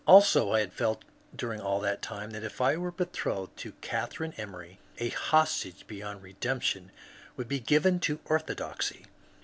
Also I had felt during all that time that if I were betrothed to Catharine Emory a hostage beyond redemption would be given to orthodoxy.